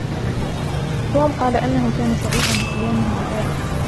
توم قال أنه كان سعيدا لقيامه بذلك.